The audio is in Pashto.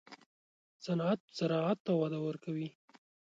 صنعت زراعت ته وده ورکوي